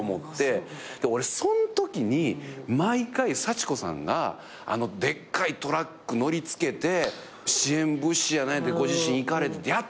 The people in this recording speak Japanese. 俺そんときに毎回幸子さんがでっかいトラック乗りつけて支援物資や何やってご自身行かれててやってたでしょ？